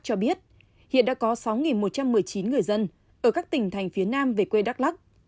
cho biết hiện đã có sáu một trăm một mươi chín người dân ở các tỉnh thành phía nam về quê đắk lắc